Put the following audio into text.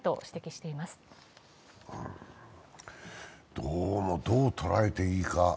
どうも、どう捉えていいか。